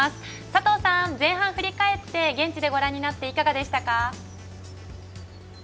佐藤さん、前半、振り返って現地でご覧になっていかがでしたか？